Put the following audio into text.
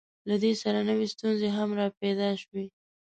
له دې سره نوې ستونزې هم راپیدا شوې.